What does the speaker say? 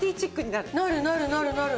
なるなるなるなる。